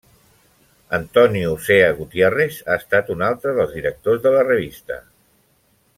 Antonio Cea Gutiérrez ha estat un altre dels directors de la revista.